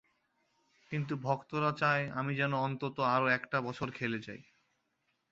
কিন্তু ভক্তরা চায়, আমি যেন অন্তত আরও একটা বছর খেলে যাই।